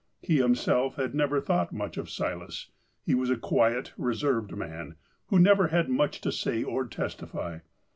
He himself had never thought much of Silas. He was a quiet, reserved man, who never had much to say, or testify.